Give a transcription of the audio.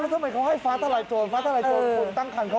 ทำไมเขาให้ฟ้าทลายโจรฟ้าทลายโจรคนตั้งคันเขา